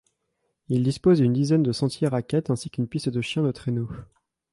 Il dispose d'une dizaine de sentiers raquettes ainsi qu'une piste de chiens de traineaux.